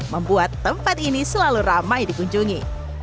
membuat tempat ini selalu ramai dikunjungi